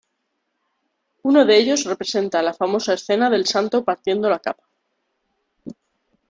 Uno de ellos representa la famosa escena del santo partiendo la capa.